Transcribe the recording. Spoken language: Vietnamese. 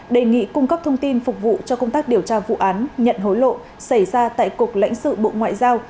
đề nghị cung cấp thông tin phục vụ cho công tác điều tra vụ án nhận hối lộ xảy ra tại cục lãnh sự bộ ngoại giao